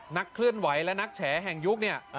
นักเคลื่อนไหวและนักแฉแห่งยุคเนี่ย